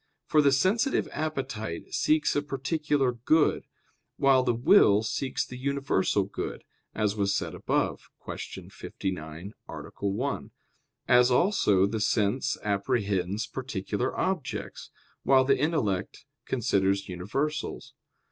For the sensitive appetite seeks a particular good; while the will seeks the universal good, as was said above (Q. 59, A. 1); as also the sense apprehends particular objects, while the intellect considers universals.